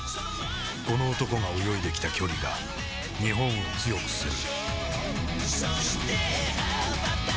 この男が泳いできた距離が日本を強くする